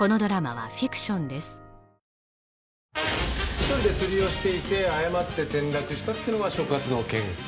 １人で釣りをしていて誤って転落したっていうのが所轄の見解。